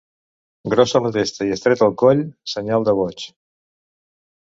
Grossa la testa i estret el coll, senyal de boig.